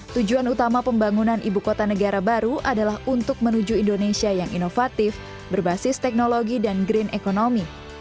tujuan utama pembangunan ibu kota negara baru adalah untuk menuju indonesia yang inovatif berbasis teknologi dan green economy